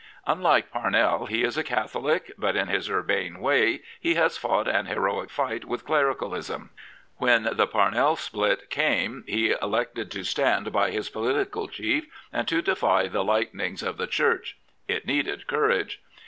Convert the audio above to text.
Unlike Parnell, he is a Catholic, but in his urbane way he has fought an heroic fight with clericalism. When the Parnell split Ccime he elected to stand by his political chief and to defy the lightnings of the Church. It needed courage.